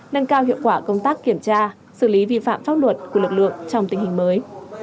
nâng cao hiệu quả công tác kiểm tra xử lý vi phạm pháp luật của lực lượng trong tình hình mới